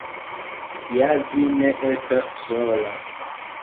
Ja vi ne estas sola.